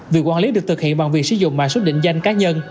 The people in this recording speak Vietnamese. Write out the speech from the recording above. việc quản lý được thực hiện bằng việc sử dụng mạng số định danh cá nhân